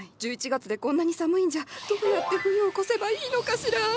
１１月でこんなに寒いんじゃどうやって冬を越せばいいのかしら。